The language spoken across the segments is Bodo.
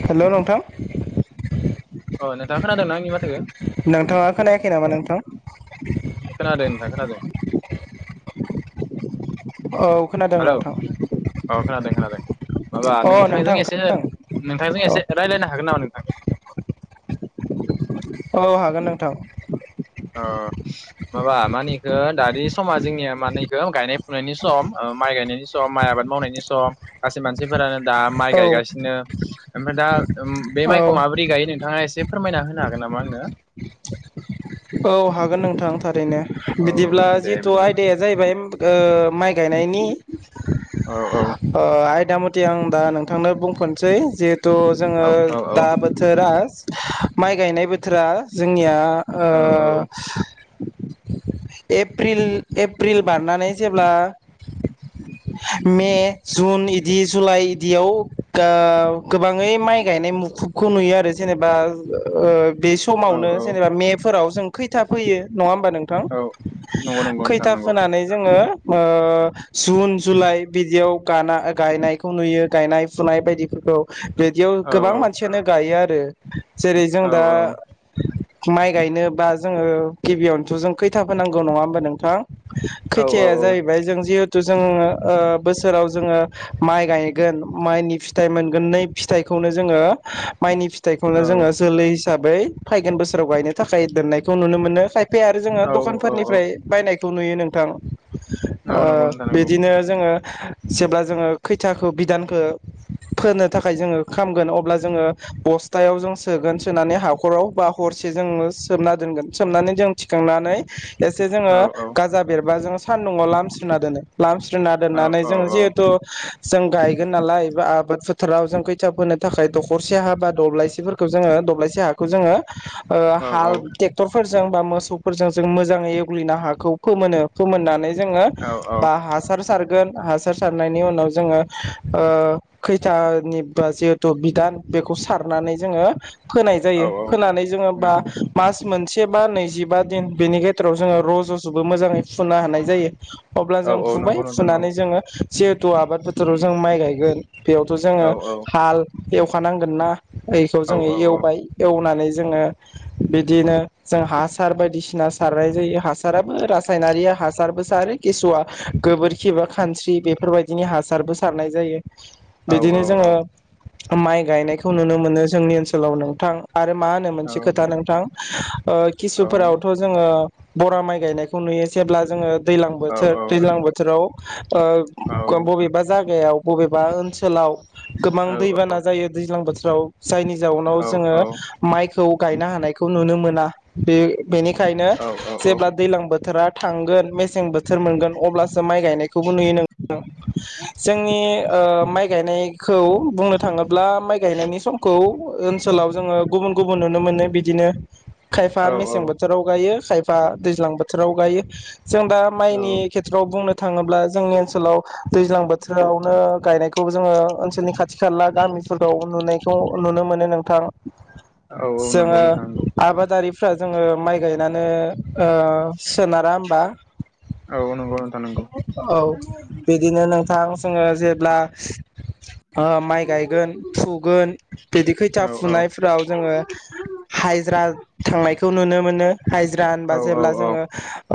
हेल' नोंथां अ नोंथाङा खोनादोंना आंनि माथोखौ नोंथाङा खोनायाखै नामा नोंथां? खोनादो नोंथां खोनादो। औ खोनादों नोंथां। औ खोनादों खोनादों। माबा अ नोंथांजों नोंथां एसे खोनादों नोंथांजों औ एसे रायज्लायनो हागोन नामा नोंथां? औ हागोन नोंथां। औ माबा मानिखो दानि समा जोंनिया मानिखो गायनाय फुनायनि सम अ माइ गायनायनि सम माइ आबाद मावनायनि सम गासै मानसिफोरानो दा माइ औ गायगासिनो ओमफ्राय उम दा बे औ माइखौ माबोरै गायो नोंथाङा एसे फोरमायना होनो हागोन नामा आंनो? औ हागोन नोंथां थारैनो। औ बिदिब्ला दे जिथु बिदिब्ला आयदाया जाहैबाय माइ गायनायनि। औ औ। अ--आयदा मथे आं दा नोंथांनो बुंफ'नसै जिहेथु जोङो औ औ दा बोथोरा माइ गायनाय बोथोरा जोंनिया ओ एड्रियन एप्रिल बारनानै जेब्ला मे, जुन बिदि जुलाइ बिदियाव ओ गोबाङै माइ गायनाय मुखुबखौ नुयो आरो जेनेबा ओ बे औ समावनो जेनेबा औ मेफोराव जों खैथा फैयो नङा होमबा नोंथां? औ नंगौ नंगौ नोंथां खैथा नंगौ फोनानै जोङो ओ जुन जुलाइ बिदियाव गाना गा गायनायखौ नुयो। गायनाय फुनाय बायदिफोरखौ बिदियाव औ औ गोबां मानसियानो गायो आरो। जेरै जों दा औ माइ गायनोबा जोङो गिबियावनोथ' जों खैथा होनांगौ नङा होमबा नोंथां? औ औ खैथिया औ जाहैबाय जों जिहेथु जोङो ओ बोसोराव जोङो माइ गायगोन माइनि फिथाइ मोनगोन। नै फिथाइखौनो जोङो माइनि औ फिथाइखौनो जोङो जोलै हिसाबै फैगोन बोसोराव गायनो थाखाय दोननायखौ नुनो मोनो। खायफाया आरो जोङो औ औ दखानफोरनिफ्राय बायनायखौ खौ नुयो नोंथां। ओ औ नंगौ नोंथां नंगौ बिदिनो जोङो जेब्ला जोङो खैथाखौ बिदानखौ फोनो थाखाय जोङो खामगोन अब्ला जोङो बस्थायाव सोगोन सोनानै हाखराव बा हरसे जोङो सोमना दोनगोन सोमनानै जों थिखांनानै एसे जोङो औ औ गाजा बेरबा जोङो सान्दुङआव लामस्रिना दोनो लामस्रिना औ दोन्नानै औ जोङो जिहेथु जों गायगोन नालाया आबाद फोथाराव जों खैथ फोनो थाखाय दखरसे हा बा दब्लायसेफोरखौ जोङो दब्लायसि हाखौ जोङो ओ औ औ हाल ट्रेक्टरफोरजों बा मोसौफोरजों जों मोजाङै एवग्लिनो हाखौ फोमोनो फोमोननानै जोङो औ औ बा हासार सारगोन। हासार सारनायनि उनाव जोङो ओ खैथानि बा जिहेथु बिदान बेखौ सारनानै जोङो फोनाय औ जायो फोनानै जोङो बा मास मोनसे बा नैजिबा दिन बेनि गेजेराव जोङो र' ज' जोबो मोजाङै फुनो हानाय जायो। अब्ला जों औ फुबाय नंगौ नोंथां फुनानै जोङो जिहेथु आबाद फोथोराव जों माइ गायगोन। बेयावथ' औ जोङो हाल एवखानांगोन ना बेखौ औ जोङो औ एवबाय एवनानै जोङो बिदिनो जों हासार बायदिसिना सारनाय जायो। हासाराबो रासायनारिया हासारबो सारो। किसुवआ गोबोरखि बा खानस्रि बेफोरबायदिनि हासारबो सारनाय जायो औ बिदिनो औ जोङो माइ गायनायखौ नुनो मोनो जोंनि ओनसोलाव नोंथां आरो मा होनो मोनसे खोथा नोंथां ओ किसुफोरावथ' जोङो ओ बरा माइ गायनायखौ नुयो जेब्ला, जोङो दैज्लां औ बोथोर औ दैज्लां बोथोराव ओ ख बबेबा जाग जायगायाव बबेबा ओनसोलाव गोबां दैबाना जायो दैज्लां बोथोराव जायनि जाउनाव जोङो माइखौ गायनो हानाय नुनो मोना बे-बेनिखायनो जेब्ला दैज्लां बोथोरा थांगोन मेस सें बोथोर मोनगोन अब्लासो माय गायनायखौबो नुयो नोंथां जोंनि ओ माय गायनाय नायखौ बुंनो थाङोब्ला माइ गायनायनि समखौ ओनसोलाव जोङो गुबुन गुबुन नुनो मोनो बिदिनो खायफा मेसें बोथोराव गायो खायफा दैज्लां बोथोराव गायो। जों दा माइनि खेथ्रआव बुंनो थाङोब्ला जोंनि ओनसोलाव दैज्लां बोथोरावनो गायनायखौ जोङो ओनसोलनि खाथि खाला गामिफोरखौ नुनायखौ नुनो मोनो नोंथां। औ नंगौ जोङो नोंथां। आबादारिफ्रा जोङो माइ गायनानै ओ सोनारा होनबा? औ नंगौ नोंथां नंगौ औ बिदिनो नोंथां जोङो जेब्ला ओ माइ गायगोन फुगोन बिदि खैथा औ औ फुनायफोराव जोङो हाजिरा थांनायखौ नुनो मोनो हाजिरा औ होनबा औ जेब्ला औ जोङो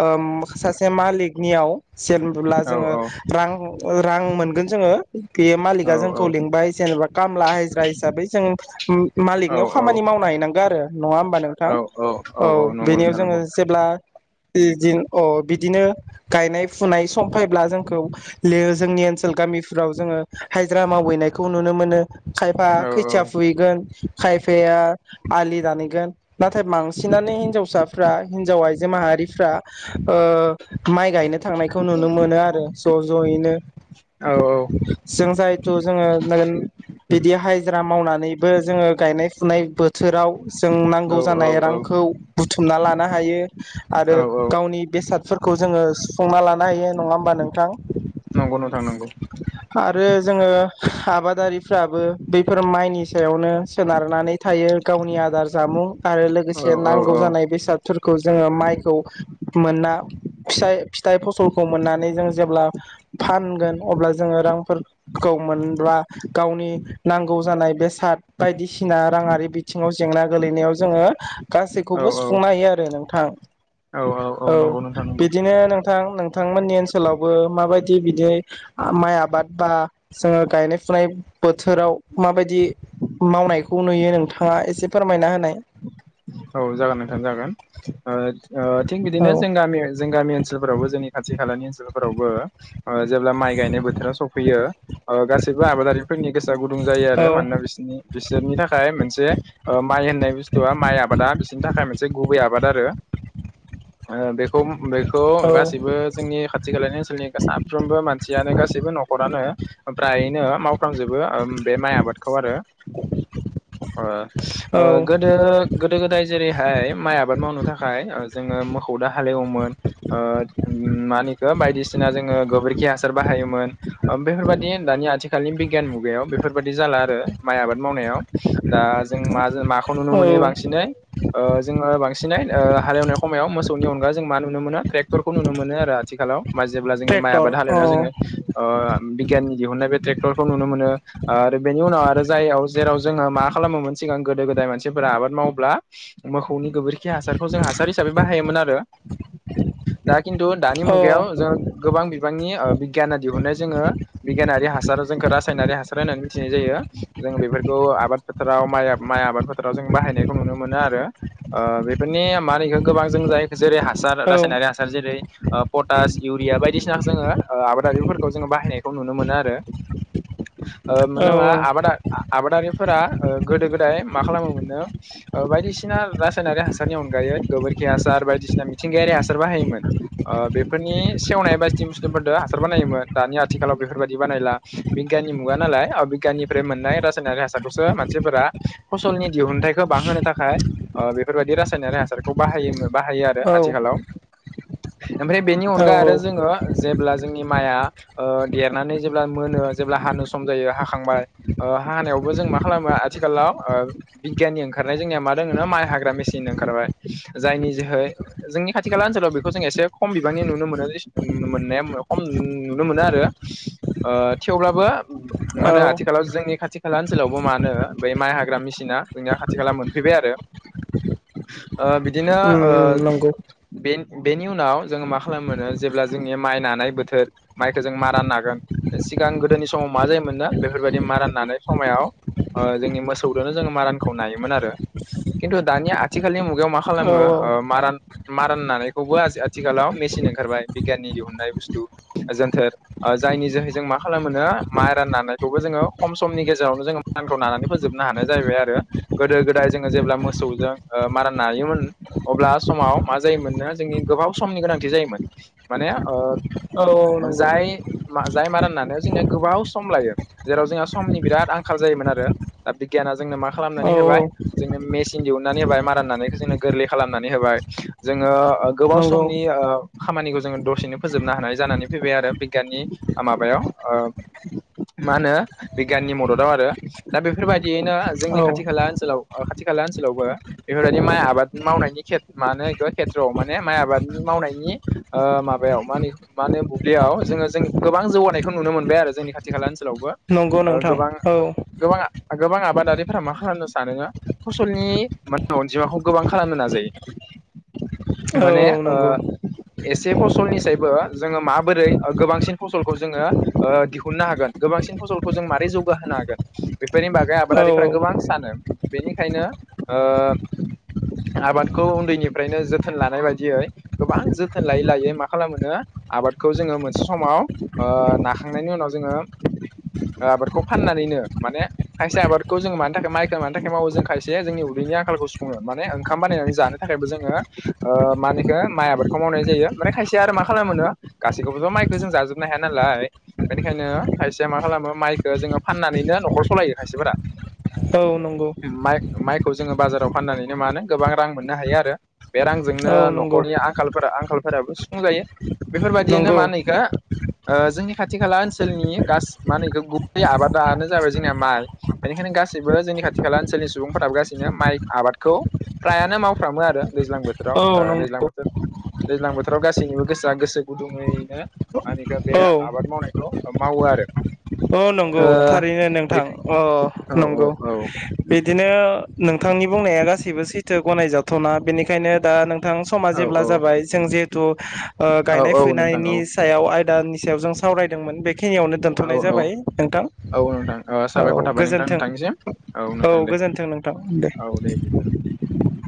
ओम सासे मालिकनियाव जेब्ला औ जोङो औ रां रां मोनगोन जोङो बेयो औ मालिगा जोंखौ लिंबाय जेनेबा खामला हाजिरा हिसाबै जों औ मा-मालिकनियाव खामानि माव मावना हैनांगोन आरो नङा होमबा औ नोंथां औ नंगौ बेनियाव नोंथां जोङो नंगौ जेब्ला इदिं अ बिदिनो गायनाय फुनाय सम फैब्ला जोंखौ लिओ जोंनि ओन सोल गामिफ्राव जोङो हाजिरा मावहैनायखौ नुनो मोनो खायफा औ खैथिया फुहैगोन खायफाया आलि दानहैगोन नाथाय बांसिनानो हिनजावसाफ्रा हिन्जाव आइजो माहारिफ्रा ओ माइ गायनो थांनायखौ नुनो मोनो आरो ज' ज'यैनो औ जों जायथु जोङो नोगोन बिदि हाजिरा मावनानैबो जोङो गायनाय फुनाय बोथोराव जों नांगौ जानाय औ रांखौ बुथुमना लानो हायो आरो औ औ औ गावनि बेसादफोर खौ जोङो सुफुंना लानो हायो नङा होमबा नोंथां? नंगौ नोंथां। नंगौ आरो जोङो आबादारि फ्राबो बैफोर माइनि सायावनो सोनारनानै थायो गावनि आ जामुं आरो औ लोगोसे औ नांगौ औ जानाय बेसाद फोरखौ जोङो माइखौ मोना। फिसाइ फिथाइ फसलखौ मोननानै जों जेब्ला फानगोन अब्ला जोङो रां फोर खौ मोनब्ला गावनि नांगौ जानाय बेसाद बायदि सिना राङारि बिथिङाव जेंना गोलैनायाव जोङो औ गासैखौबो सुफुंनो हायो आरो नोंथां औ औ नंगौ नोंथां नंगौ बिदिनो नों नोंथां नोंथांमोननि ओनसोलावबो माबायदि बिदि माइ आबाद बा जोङो गायनाय फुनाय फुनाय बोथोराव माबायदि मावनायखौ नुयो नोंथाङा एसे फोरमायना होनाय। औ जागोन नोंथां जागोन। ओ ओ थिग औ बिदिनो जों गामि जों गामि ओनसोल फोरावबो जोंनि खाथि खालानि ओनसोल फोरावबो ओ जेब्ला माइ गायनाय बोथोराव सफैयो ओ गासैबो आबादारि फोरनि गोसोआ गुदुं जायो आरो औ मानोना बिसनि बिसोरनि थाखाय मोनसे माइ होननाय बुस्थुआ माइ आबादा बिसोरनि थाखाय मोनसे गुबै आबाद आरो। ओ बेखौ बेखौ गासैबो औ जोंनि खाथि खालानि ओनसोलनि साफ्रोमबो मानसियानो गासैबो न' खरानो फ्रायनो मावफ्राम जोबो बे माइ आबादखौ आरो। ओ ओ औ गोदो गोदो गोदाय जेरैहाय माइ आबाद मावनो थाखाय ओ जोङो मोखौ दो हा हालेवोमोन ओ मा होनो बेखौ बायदिसिना जोङो गोबोरखि हासार बाहायोमोन। बेफोरबादि दानि आथिखालनि बिगियान मुगायाव बेफोरबादि जाला आरो माइ आबाद मावनायाव। दा जों मा जों माखौ नुनो मोनो औ बां ओ जोङो बांसिनै ओ हालेवनाय समायाव मोसौनि अनगा जों मा नुनो मोनो ट्रेक्टरखौ नुनो मोनो आरो। आथिखालाव। मा जेब्ला जोंनि माइ ट्रेक्टर आबाद हालेव अ नायाव जोङो ओ बिगियाननि दिहुनाय बे ट्रेक्टरखौ नुनो मोनो। ओ आरो बेनि उनाव आरो जायावलजेराव जोङो मा खालामोन सिगां गोदो गोदाय मानसिफोरा आबाद मावोब्ला मोखौनि गोबोरखि हासारखौ जों हासार हिसाबै बाहायोमोन आरो। दा खिन्थु दानि अ मुगायाव जों गोबां बिबांनि बिगियाना दिहुननाय जोङो बिगियानारि हासाराव जोंखौ रासायनारि हासार होना मिथिनाय जायो जों बेफोरखौ आबाद फोथाराव माइ माइ आबाद फोथाराव जों बाहायनाय मोनो आरो ओ बेफोरनि मा होनो बेखो गोबां जों जायो जेरै हासार औ रासनारि हासार जेरै पटास इउिया बायदि बायदिसिना जोङो आबादारि फोरखौ जोङो बाहायनायखौ नुनो मोनो आरो। ओ मोन औ नोङा आबादा आबादारि फोरा गोदो गोदाय मा खालामो मोननो ओ बायदिसिना रासायनारि हासारनि अनगायै गोबोरखि हासार बायदिसिना मिथिंगायारि हासार बाहायोमोन। ओ बेफोरनि सेवनाय बायस्थि बुस्थु फोरदो हासार बानायोमोन दानि आथिखालाव बेफोरबायदि बानायला। बिगियाननि मुगा नालाय अ बिगियान निफ्राय मोननाय रासायनारि हारखौसो मानसिफोरा फसलनि दिहुनथाय हो बां होनो थाखाय ओ बेफोर बायदि रासायनारि हासारखौ बाहा बाहायो आरो औ आथिखालाव। ओमफ्राय बेनि औ अनगा आरो जोङो जेब्ला जोंनि माइआ ओ देरनानै जेब्ला मोनो जेब्ला हानो सम जायो हाखांबाय ओ हानायावबो जों मा खालामो आथिखालाव ओ बिगियाननि ओंखारनाय जोंनिया मा दङोनो माइ हाग्रा मेसिन ओंखारबाय जायनि जोहै जोंनि खाथि खाला ओनसोलाव बेखौ जों एसे खम बिबांनि नुनो मोनो जेसेनो नुनो मोननाय खम नुनो मोनो आरो ओ थेवब्लाबो मा औ होनो आथिखालाव जोंनि खाथि खाला ओनसोलावबो मानो बै माइ हाग्रा मेसिना जोंनिया खाथि खाला मोनफैबाय आरो ओ बिदिनो उम ओ उम नंगौ बे बेनि उनाव जोङो मा खालामोनो जेब्ला जोंनि माइ नानाय बोथोर माइखौ जों मारा नागोन सिगां गोदोनि समाव मा जायोमोननो बेफोर बायदि मारा नानाय समायाव ओ जोंनि मोसौ दोंनो जों मारानखौ खौ नायोमोन आरो खिन्थु दानिया आथिखालनि मुगायाव मा औ खालामो ओ मारान मारान नानायखौ बोआस आथिखालाव मेसिन ओंखारबाय बिगियाननि दिहुुननाय बुस्थु ओ जोनथोर ओ जायनि जोहै जों माख खालामो माइरान नानायखौबो जोङो खम समनि गेजेरावनो जोङो माइरानखौ नानानै फोजोबनो हानाय जाहैबाय आरो गोदो गोदाय जोङो जेब्ला मोसौजों ओ मारा नायोमोन अब्ला समाव मा जायोमोननो जों नि गोबाव समनि गोनांथि जायोमोन माने ओ औ नंगौ जाय मा जाय माइराननानो जोंनिया गोबाव सम लायो। जेराव जोंहा समनि बिराद आंखाल जायोमोन आरो दा बिगियाना जोंनो माख औ खालामनानै होबाय जोंनो मेसिन दिहुननानै होबाय माराननानैखौ जोनो गोरलै खालामनानै होबाय। जोङो ओ गोबाव नंगौ समनि ओ खामानिखौ जोङो दसेनो फोजोबनो हानाय जानानै फैबाय आरो बिगियाननि ओ माबायाव ओ मा होनो बिगियाननि मददाव आरो दा बेफोर बायदियैनो औ खाथि खाला ओनसोलाव ओ खाथि खाला ओनसोलावबो बेफोरबायदि माइ आबाद मावनायनि खेथ मानो बे खेथ्रआव माने माइ आबादनि मा मावनायनि ओ माबायाव मा होनो बुब्लियाव जोङो जों गोबां जौगानायखौ नुनो मोनबाय आरो जोंनि खाथि खाला ओनसोलावबो नंगौ ओ नोंथां गोबां औ गोबां आबादारि फोरा मा खालामनो सानो फसलनि माहोनो अनजिमाखौ गोबां खालामनो नाजायो। औ माने ओ नंगौ एसे फसलनिसायबो जोङो माबोरै ओ गोबांसिन फसलखौ जोङो ओ दिहुननो हागोन गोबां बांसिन फसलखौ जों मारै जौगाहोनो हागोन बेफोरनि बागै औ आबादारिफोरा गोबां औ सानो बेनिखायनो ओ आबादखौ उन्दैनिफ्रायनो जोथोन लानाय बायदियै गोबां जोथोन लायै लायै मा खालामोनो आबादखौ जोङो मोनसे समाव ओ नाखांनायनि उनाव जोङो ओ आबादखौ फाननानैनो माने खायसे आबाद खौ जोङो मानि थाखाय मावखो मानि थाखाय मावो जों खायसे उदैनि आंखालखौ सुफुङो माने ओंखाम बानायनानै जानो थाखायबो जोङो ओ मानेखो माइ आबादखौ मावनाय जायो माने खायसेया आरो मा खालामोनो गासैखौबोथ' माइखो जों जाजोबनो हाय हाया नालाय बेनिखायनो खायसेया मा खालामो माइखो जोङो फाननानैनो न'खर सालायो खायसेफोरा औ नंगौ। माइ माइखौ जोङो बाजाराव फाननानैनो मानो गोबां रां मोननो हायो आरो बे रांजोंनो औ नंगौ न'खरनि आंखालफोर आंखालफोराबो सुफुं जायो। बेफोरबायदियैनो नंगौ माहोनो इखो ओ जोंनि खाथि खाला ओनसोलनि गास माहोनो‌ इखो गुबै आबादानो जाबाय जोंनिया माइ। बेनिखायनो गासैबो जोंनि खाथि खाला ओनसोलनि सुबुंफोराबो गासैनो माइ आबादखौ फ्रायानो मावफ्रामो आरो दैज्लां बोथोराव औ ओ दैज्लां नंगौ बोथोर दैज्लां बोथोराव गासैनिबो गोसोआ गोसो गुदुङैनो आंनिखौ बे औ आबाद मावनायखौ मावो आरो औ नंगौ ओ थारैनो नोंथां बे अ औ अ नंगौ औ बिदिनो नोंथांनि बुंनाया गासैबो सैथो गनाय जाथावना बेनिख बेखायनो दा नोंथां समा औ जेब्ला औ जाबाय जों जिहेथु ओ गायनाय औ नोंथां फुनायनि औ सायाव आय नि सायाव जों सावरायदोंमोन बेखिनियावनो औ दोनथनाय औ जाबाय नोंथां औ नोंथां ओ औ साबायखर थाबाय नोंथां गोजोनथों नोंथांनिसिम नोंथां औ दे गोजोनथों नोंथां औ दे [inaudible]